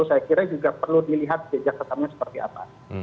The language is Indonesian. saya kira juga perlu dilihat jejak rekamnya seperti apa